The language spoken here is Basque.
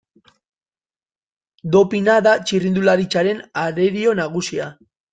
Dopina da txirrindularitzaren arerio nagusia.